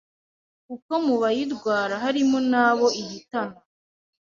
kuko mu bayirwara harimo n’abo ihitana.